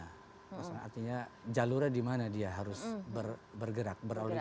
prasaran artinya jalurnya di mana dia harus bergerak beralih lintas